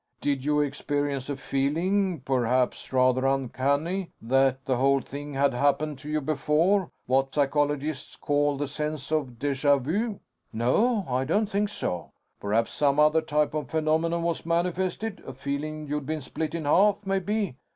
"Did you experience a feeling ... perhaps, rather uncanny ... that the whole thing had happened to you before? What psychologists call the sense of déjà vu?" "No, I don't think so." "Perhaps some other type of phenomenon was manifested? A feeling you'd been split in half, maybe."